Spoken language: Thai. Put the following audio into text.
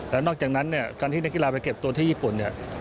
และนอกจากนั้นการที่นักกีฬาไปเก็บตัวที่ญี่ปุ่น